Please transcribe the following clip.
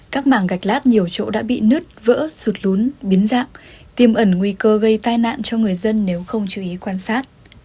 các màng gạch lát nhiều chỗ đã bị nứt vỡ sụt lún biến dạng tiêm ẩn nguy cơ gây tai nạn cho người dân nếu không chú ý quan sát